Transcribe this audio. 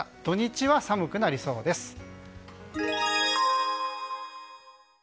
土日は寒くなりそうです。